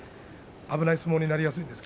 危ない相撲になりやすいです。